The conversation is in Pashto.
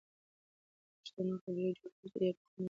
د پښتنو قبيلوي جوړښت ډېر پخوانی او پياوړی دی.